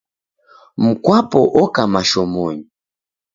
Mkwapo oka mashomonyi.